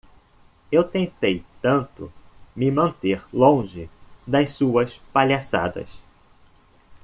Eu tentei tanto me manter longe das suas palhaçadas.